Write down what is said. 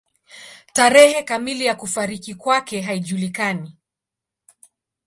Tarehe kamili ya kufariki kwake haijulikani.